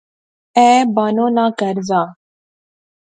اے بانو نا کہر زا